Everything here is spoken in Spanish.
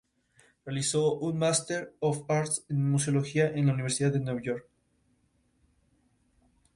Hay armas de diversos tipos como pistolas, ametralladoras, magnum y granadas.